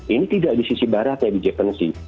ini tidak di sisi baratnya di jepang sih